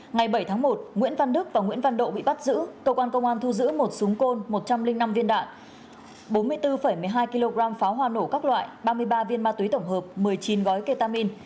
ngày bảy tháng một nguyễn văn đức và nguyễn văn độ bị bắt giữ cơ quan công an thu giữ một súng côn một trăm linh năm viên đạn bốn mươi bốn một mươi hai kg pháo hoa nổ các loại ba mươi ba viên ma túy tổng hợp một mươi chín gói ketamin